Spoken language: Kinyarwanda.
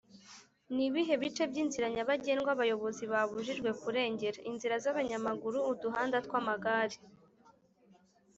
nibihe bice byinzira nyabagendwa abayobozi babujijwe kurengera? -inzira z’abanyamaguru-uduhanda twamagare